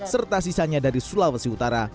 serta sisanya dari sulawesi utara